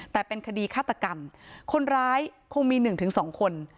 แต่เป็นคดีฆาตกรรมคนร้ายคงมีหนึ่งถึงสองคน